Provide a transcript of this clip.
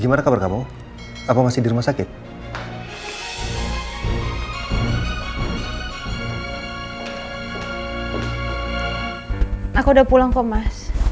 aku udah pulang kok mas